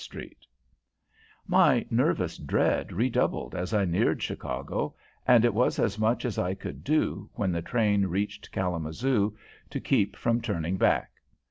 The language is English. [Illustration: THE SPECTRE BRASS BAND] My nervous dread redoubled as I neared Chicago, and it was as much as I could do, when the train reached Kalamazoo, to keep from turning back.